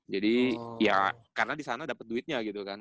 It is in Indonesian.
jadi ya karena disana dapet duitnya gitu kan